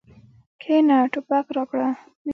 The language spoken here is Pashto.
کېنه ټوپک راکړه.